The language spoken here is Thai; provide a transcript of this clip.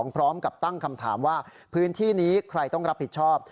พร้อมกับตั้งคำถามว่าพื้นที่นี้ใครต้องรับผิดชอบ